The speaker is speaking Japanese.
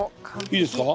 いいですか？